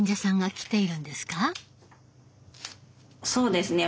そうですね